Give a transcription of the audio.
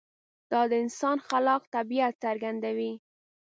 دا د انسان خلاق طبیعت څرګندوي.